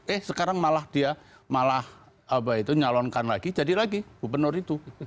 eh sekarang malah dia malah nyalonkan lagi jadi lagi gubernur itu